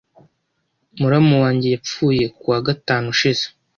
Muramu wanjye yapfuye ku wa gatanu ushize.